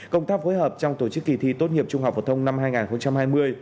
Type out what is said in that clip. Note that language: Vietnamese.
công tác phối hợp trong tổ chức kỳ thi tốt nghiệp trung học phổ thông năm hai nghìn hai mươi